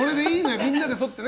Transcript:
みんな取ってね。